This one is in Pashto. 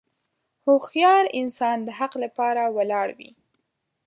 هوښیار انسان د حق لپاره ولاړ وي.